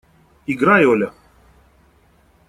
Играй, Оля!